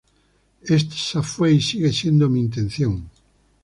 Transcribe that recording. Esa fue y sigue siendo mi intención.